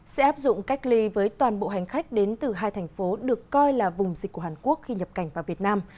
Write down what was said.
sẽ áp dụng cách ly với toàn bộ hành khách đến từ hai thành phố được coi là vùng dịch của hàn quốc khi nhập cảnh vào việt nam